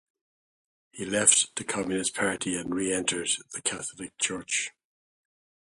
He left the Communist Party and reentered the Catholic Church.